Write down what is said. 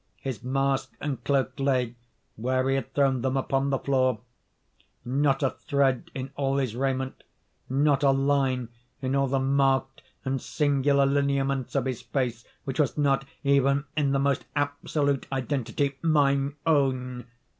His mask and cloak lay, where he had thrown them, upon the floor. Not a thread in all his raiment—not a line in all the marked and singular lineaments of his face which was not, even in the most absolute identity, mine own!